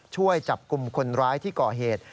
ช่วยจับกลุ่มคนร้ายที่ก่อเหตุ